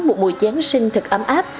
một mùa giáng sinh thật ấm áp